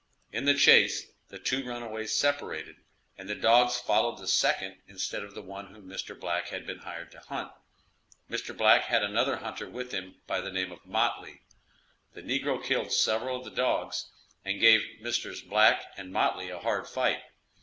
In the chase, the two runaways separated, and the dogs followed the second instead of the one whom Mr. Black had been hired to hunt. Mr. Black had another hunter with him by the name of Motley. The negro killed several of the dogs, and gave Messrs. Black and Motley a hard fight.